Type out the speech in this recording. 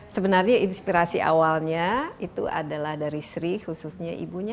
sebenarnya inspirasi awalnya itu adalah dari sri khususnya ibunya